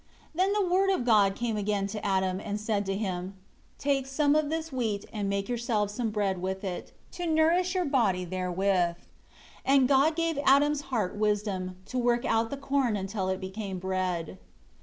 9 Then the Word of God came again to Adam, and said to him, "Take some of this wheat and make yourselves some bread with it, to nourish your body therewith." And God gave Adam's heart wisdom, to work out the corn until it became bread.